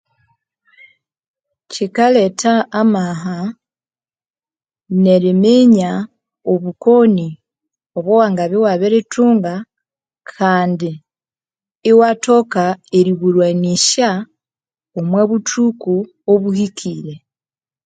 Kyikaletha amaha neriminya obukoni obuwangabya iwabirithunga kandi iwathoka eriburwanisya omu buthuku obuhikire